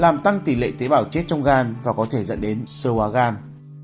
hàm lượng nát truy cao làm tăng tỷ lệ tế bảo chết trong gan và có thể dẫn đến sơ hoa gan